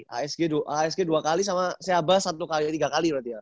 asg dua kali sama seabas satu kali tiga kali loh dia